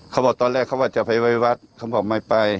เขาบอกตอนแรกเขาว่าจะไปไว้วัดเขาบอกไม่ไป